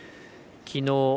きのう